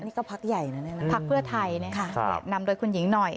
นี่ก็พักใหญ่นะเนี่ยนะพักเพื่อไทยนำโดยคุณหญิงหน่อย